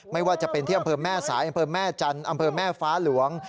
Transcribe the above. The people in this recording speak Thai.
ไม่ว่าจะเป็นที่อำเภอแม่สายอำเภอแม่จันทร์อำเภอแม่ฟ้าหลวง